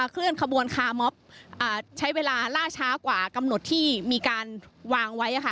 เคลื่อนขบวนคาร์มอบใช้เวลาล่าช้ากว่ากำหนดที่มีการวางไว้